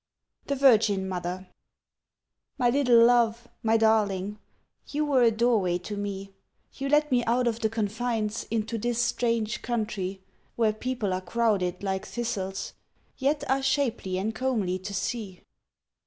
THE VIRGIN MOTHER MY little love, my darling, You were a doorway to me; You let me out of the confines Into this strange countrie, Where people are crowded like thistles, Yet are shapely and comely to see.